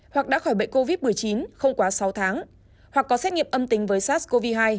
hoặc đã khỏi bệnh covid một mươi chín không quá sáu tháng hoặc có xét nghiệm âm tính với sars cov hai